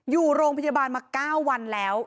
อยู่โรงพยาบาลมา๙วันแล้ว